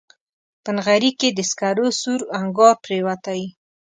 په نغري کې د سکرو سور انګار پرېوتی